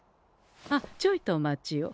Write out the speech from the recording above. あっちょいとお待ちを。